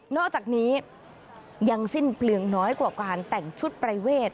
อกจากนี้ยังสิ้นเปลืองน้อยกว่าการแต่งชุดประเวท